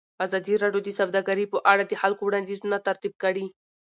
ازادي راډیو د سوداګري په اړه د خلکو وړاندیزونه ترتیب کړي.